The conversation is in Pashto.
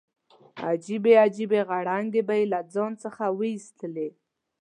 عجیبې عجیبې غړانګې به یې له ځان څخه ویستلې.